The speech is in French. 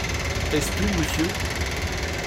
Est-ce tout, monsieur ?